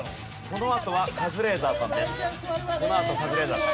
このあとカズレーザーさんです。